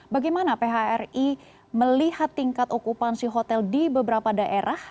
bagaimana phri melihat tingkat okupansi hotel di beberapa daerah